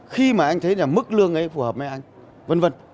khi mà anh thấy rằng mức lương ấy phù hợp với anh vân vân